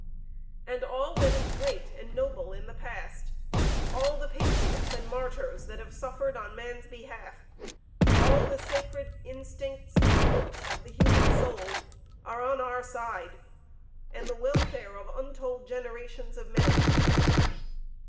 And all that is great and noble in the past, all the patriots and martyrs that have suffered in man's behalf, all the sacred instincts and hopes of the human soul are on our side, and the welfare of untold generations of men.